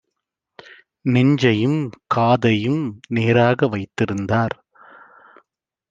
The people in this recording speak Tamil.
நெஞ்சையும் காதையும் நேராக வைத்திருந்தார்: